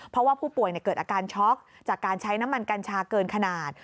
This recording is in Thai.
เพราะว่าผู้ป่วยเกิดอาการช็อกจากการใช้น้ำมันกัญชาเกินขนาด